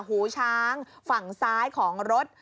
หูช้างฝั่งซ้ายของรถ